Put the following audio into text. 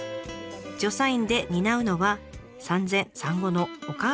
助産院で担うのは産前産後のお母さんへのケア。